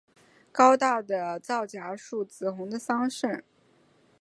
高大的皂荚树，紫红的桑葚